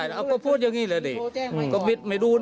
อัตมาป้องกันตัว